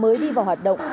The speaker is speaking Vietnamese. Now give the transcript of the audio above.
mới đi vào hoạt động